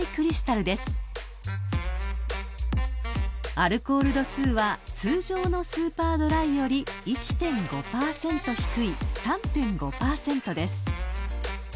［アルコール度数は通常のスーパードライより１．５％低い３．５％です］